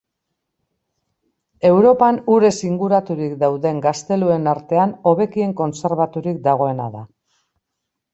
Europan urez inguraturik dauden gazteluen artean hobekien kontserbaturik dagoena da.